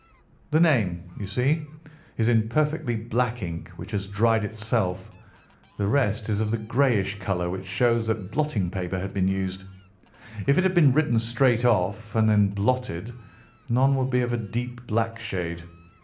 "The name, you see, is in perfectly black ink, which has dried itself. The rest is of the greyish colour, which shows that blotting paper has been used. If it had been written straight off, and then blotted, none would be of a deep black shade.